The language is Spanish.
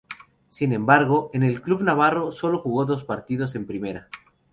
Sin embargo, en el club navarro sólo jugó dos partidos en Primera.